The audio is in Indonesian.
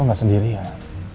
lo gak sendirian